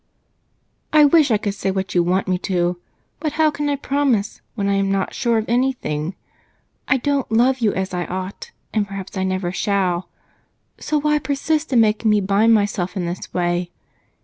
"I wish I could say what you want me to. But how can I promise when I am not sure of anything? I don't love you as I ought, and perhaps I never shall so why persist in making me bind myself in this way?